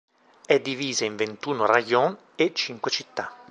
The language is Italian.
È divisa in ventuno rajon e cinque città.